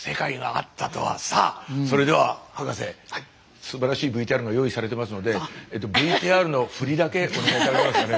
さあそれでは博士すばらしいＶＴＲが用意されてますのでＶＴＲの振りだけお願い頂けますかね。